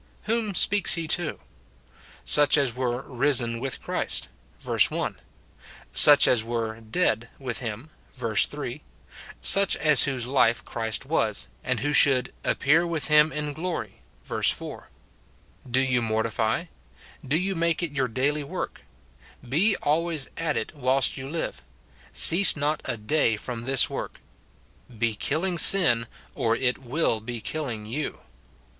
Whom speaks he to? Such as were "risen with Christ," vei'se 1 ; such as were "dead" with him, verse 3; such as whose life Christ was, and who should "appear with him in glory," verse 4. Do you mortify ; do you make it your daily 154 MORTIFICATION OF work ; be always at it whilst you live ; cease not a day from this work ; be killing sin or it will be killing you.